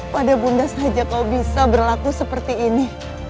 pada bunda saja kau bisa berlaku seperti ini